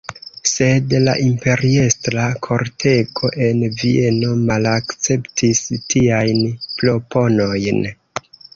Sed la imperiestra kortego en Vieno malakceptis tiajn proponojn.